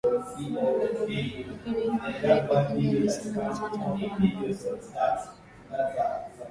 Lakini Brig Ekenge amesema katika taarifa kwamba wana taarifa za kuaminika sana kwamba Rwanda inaunga mkono waasi hao na kusema maana ya ushirikiano na jirani